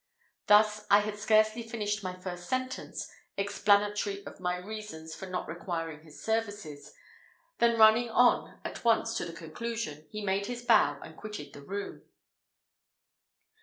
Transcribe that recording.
Thus I had scarcely finished my first sentence, explanatory of my reasons for not requiring his services, than running on at once to the conclusion, he made his bow, and quitted the room.